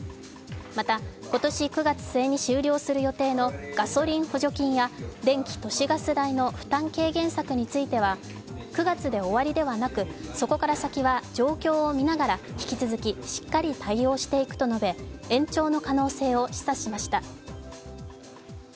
また、今年９月末に終了する予定のガソリン補助金や電気・都市ガス代の負担軽減策については、９月で終わりではなく、そこから先は状況を見ながら引き続きしっかり対応していくと述べ、延長の可能性を示唆しました。